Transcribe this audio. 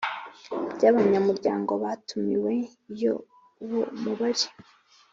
bya abanyamuryango batumiwe Iyo uwo mubare